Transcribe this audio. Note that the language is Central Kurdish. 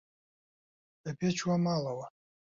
بە پێ چووە ماڵەوە.